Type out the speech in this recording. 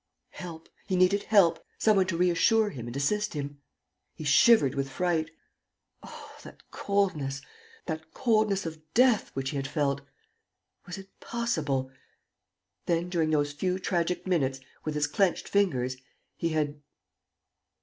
Help, he needed help, some one to reassure him and assist him. He shivered with fright. Oh, that coldness, that coldness of death which he had felt! Was it possible? ... Then, during those few tragic minutes, with his clenched fingers, he had.